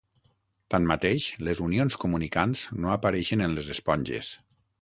Tanmateix, les unions comunicants no apareixen en les esponges.